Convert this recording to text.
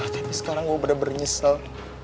tapi sekarang gue bener nyesel